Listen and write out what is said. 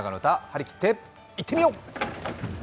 張り切っていってみよう！